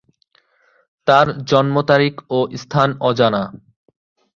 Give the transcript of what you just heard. তাঁর জন্ম তারিখ ও স্থান অজানা।